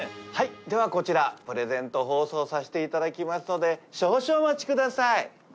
ではこちらプレゼント包装させていただきますので少々お待ちください。